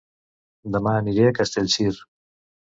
Dema aniré a Castellcir